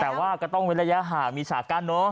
แต่ว่าก็ต้องเว้นระยะห่างมีฉากกั้นเนอะ